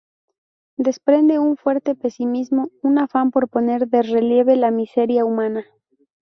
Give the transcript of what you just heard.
Desprende un fuerte pesimismo, un afán por poner de relieve la miseria humana.